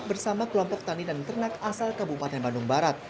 bersama kelompok tani dan ternak asal kabupaten bandung barat